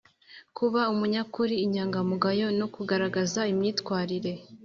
kuba umunyakuri, inyangamugayo no kugaragaza imyitwarire